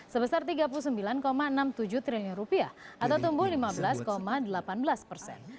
sebesar tiga puluh sembilan enam puluh tujuh triliun rupiah atau tumbuh lima belas delapan belas persen